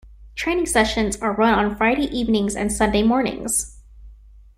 Training sessions are run on Friday evenings and Sunday mornings.